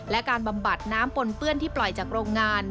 และการบำบัดน้ำปนเปื้อนที่ปล่อยจากโรงงาน